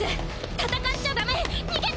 戦っちゃダメ逃げて！